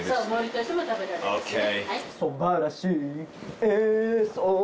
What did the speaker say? ＯＫ！